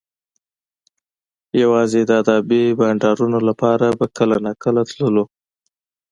یوازې د ادبي بنډارونو لپاره به کله ناکله تللو